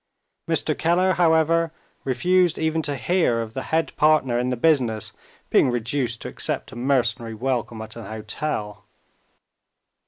Mr. Keller, however, refused even to hear of the head partner in the business being reduced to accept a mercenary welcome at an hotel.